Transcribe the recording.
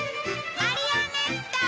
マリオネッター！